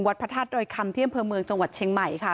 วัดพระทัศน์โดยคำเที่ยมเพือเมืองจังหวัดเชงไหมค่ะ